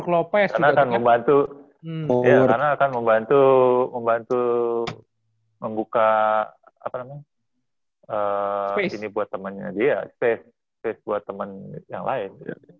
karena akan membantu membuka space buat temennya dia space buat temen yang lain